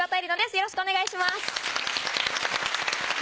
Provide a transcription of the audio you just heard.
よろしくお願いします。